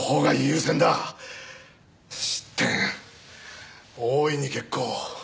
失点大いに結構。